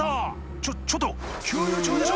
ちょちょっと給油中でしょ？